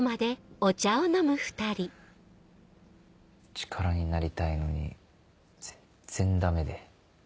力になりたいのに全然ダメで。